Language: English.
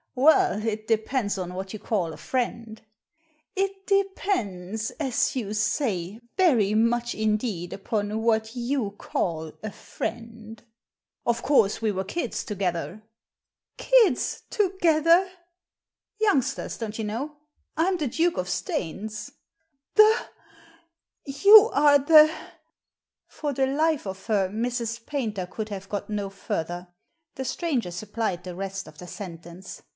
"Well, it depends on what you call a friend." " It depends, as you say, very much indeed upon what you call a friend." Digitized by VjOOQIC 300 THE SEEN AND THE UNSEEN *'0f course, we were kids together." "'Kids 'together!" •• Youngsters, don't you know. I'm the Duke of Staines." "The You are the ^" For the life of her, Mrs. Paynter could have got no further. The stranger supplied the rest of the sentence.